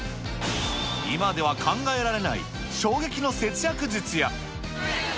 今では考えられない衝撃の節約術や。